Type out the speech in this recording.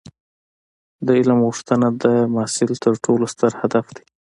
د علم غوښتنه د محصل تر ټولو ستر هدف دی.